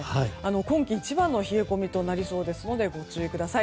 今季一番の冷え込みとなりそうですのでご注意ください。